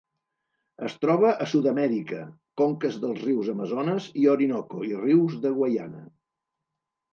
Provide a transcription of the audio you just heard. Es troba a Sud-amèrica: conques dels rius Amazones i Orinoco, i rius de Guaiana.